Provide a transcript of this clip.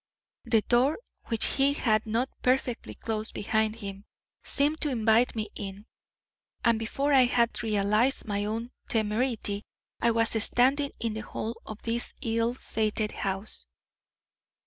The door, which he had not perfectly closed behind him, seemed to invite me in, and before I had realised my own temerity, I was standing in the hall of this ill fated house."